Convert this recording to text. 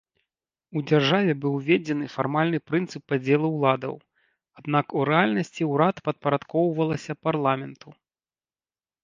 У дзяржаве быў уведзены фармальны прынцып падзелу ўладаў, аднак у рэальнасці ўрад падпарадкоўвалася парламенту.